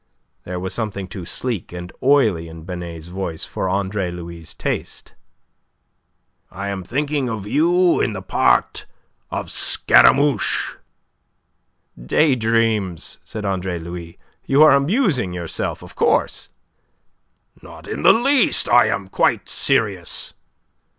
There was something too sleek and oily in Binet's voice for Andre Louis' taste. "I am thinking of you in the part of Scaramouche." "Day dreams," said Andre Louis. "You are amusing yourself, of course." "Not in the least. I am quite serious."